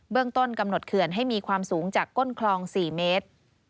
ต้นกำหนดเขื่อนให้มีความสูงจากก้นคลอง๔เมตร